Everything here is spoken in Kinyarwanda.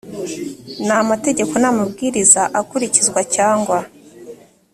n amategeko n amabwariza akurikizwa cyangwa